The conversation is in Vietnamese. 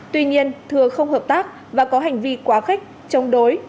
tuy nhiên thừa không hợp tác và có hành vi quá khích chống đối